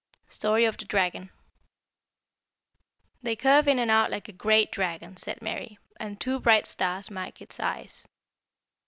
STORY OF THE DRAGON. "They curve in and out like a great dragon," said Mary; "and two bright stars mark its eyes."